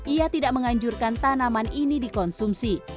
ia tidak menganjurkan tanaman ini dikonsumsi